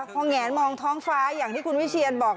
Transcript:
พอแงนมองท้องฟ้าอย่างที่คุณวิเชียนบอก